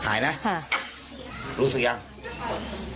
หมาก็เห่าตลอดคืนเลยเหมือนมีผีจริง